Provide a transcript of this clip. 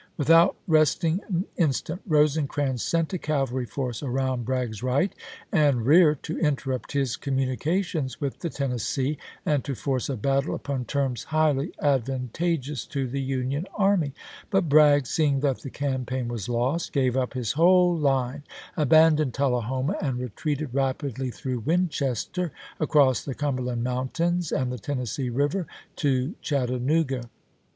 Without resting an instant, Rosecrans sent a cavalry force around Bragg's right and rear to interrupt his communications with the Tennes see, and to force a battle upon terms highly advan tageous to the Union army; but Bragg, seeing that the campaign was lost, gave up his whole line, abandoned Tullahoma, and retreated rapidly through Winchester, across the Cumberland Moun tains and the Tennessee River, to Chattanooga.